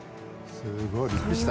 すごいびっくりした。